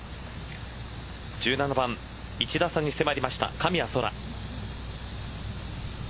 １７番、１打差に迫りました神谷そら。